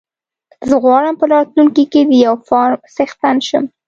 زه غواړم په راتلونکي کې د يو فارم څښتن شم.